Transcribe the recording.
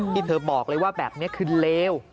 ที่เธอบอกเลยว่าแบบนี้คือเลว